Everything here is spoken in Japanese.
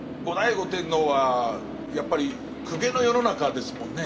後醍醐天皇はやっぱり公家の世の中ですもんね。